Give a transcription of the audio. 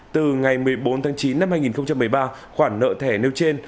từ ngày một mươi bốn tháng chín năm hai nghìn một mươi ba khoản nợ thẻ nêu trên